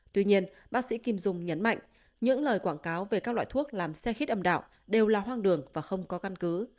tuy nhiên bác sĩ kim dung nhấn mạnh những lời quảng cáo về các loại thuốc làm xe khít âm đạo đều là hoang đường và không có căn cứ